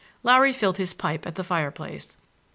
Larry filled his pipe at the fireplace.